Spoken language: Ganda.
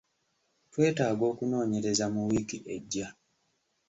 Twetaaga okunoonyereza mu wiiki ejja.